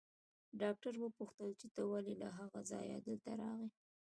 ډاکټر وپوښتل چې ته ولې له هغه ځايه دلته راغلې.